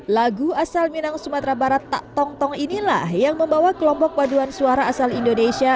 lagu asal minang sumatera barat tak tong tong inilah yang membawa kelompok paduan suara asal indonesia